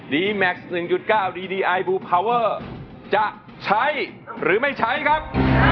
ดีแม็กซ์หนึ่งจุดเก้าดีดีไอบูภาวเวอร์จะใช้หรือไม่ใช้ครับ